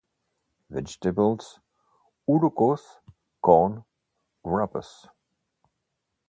Vegetables: Ullucos, corn wrappes.